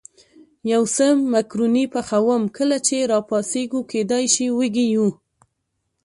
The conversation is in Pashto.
یو څه مکروني پخوم، کله چې را پاڅېږو کېدای شي وږي یو.